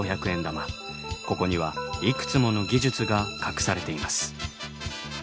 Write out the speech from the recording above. ここにはいくつもの技術が隠されています。